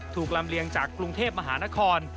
ลำเลียงจากกรุงเทพมหานคร